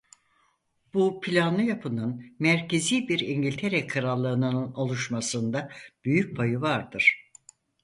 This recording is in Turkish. Bu planlı yapının merkezi bir İngiltere Krallığının oluşmasında büyük payı vardır.